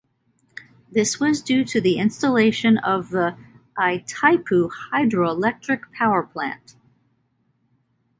This was due to the installation of the Itaipu hydroelectric power plant.